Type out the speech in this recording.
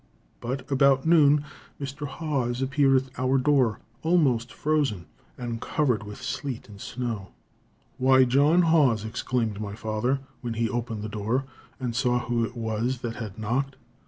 But about noon Mr. Haws appeared at our door, almost frozen, and covered with sleet and snow. "Why, John Haws!" exclaimed my father, when he opened the door, and saw who it was that had knocked.